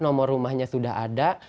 nomor rumahnya sudah ada